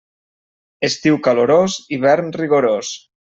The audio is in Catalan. Estiu calorós, hivern rigorós.